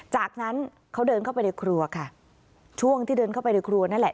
จากนั้นเขาเดินเข้าไปในครัวค่ะช่วงที่เดินเข้าไปในครัวนั่นแหละ